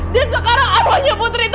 dan sekarang arwahnya putri itu